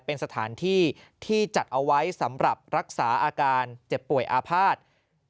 เป็นสถานที่ที่จัดเอาไว้สำหรับรักษาอาการเจ็บป่วยอาภาษณ์